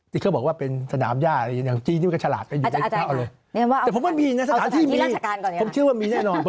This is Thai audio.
ที่เขาบอกว่าเป็นสนามหญ้าอะไรอย่างจริง